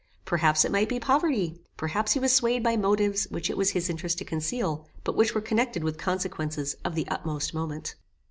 Perhaps it might be poverty, perhaps he was swayed by motives which it was his interest to conceal, but which were connected with consequences of the utmost moment.